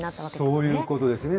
そういうことですね。